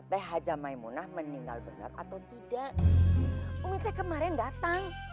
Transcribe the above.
teh haja maimunah meninggal benar atau tidak umitnya kemarin datang